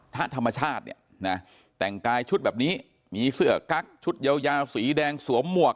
ถ้าธรรมชาติเนี่ยนะแต่งกายชุดแบบนี้มีเสื้อกั๊กชุดยาวสีแดงสวมหมวก